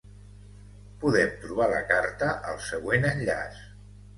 Podem trobar la carta al següent enllaç.